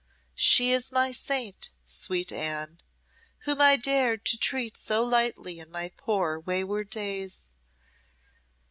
She is my saint sweet Anne, whom I dared treat so lightly in my poor wayward days.